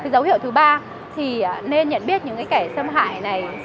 dấu hiệu thứ ba thì nên nhận biết những kẻ xâm hại này